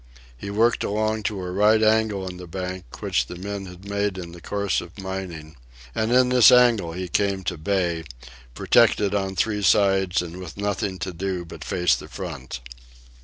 He worked along to a right angle in the bank which the men had made in the course of mining, and in this angle he came to bay, protected on three sides and with nothing to do but face the front.